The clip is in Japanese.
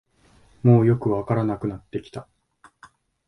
もうよくわからなくなってきた